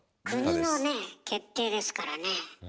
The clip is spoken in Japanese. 国のね決定ですからね。